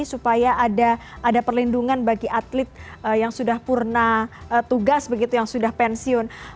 supaya ada perlindungan bagi atlet yang sudah purna tugas begitu yang sudah pensiun